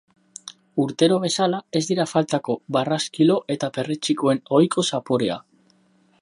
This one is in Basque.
Urtero bezala, ez dira faltako barraskilo eta perretxikoen ohiko zaporea.